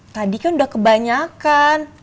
tadi kan udah kebanyakan